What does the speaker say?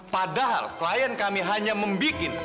padahal klien kami hanya membuat